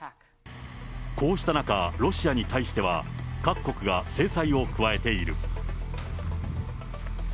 こうした中、ロシアに対しては、各国が制裁を加えている。